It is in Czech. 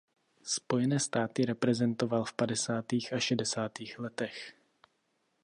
Spojené státy reprezentoval v padesátých a šedesátých letech.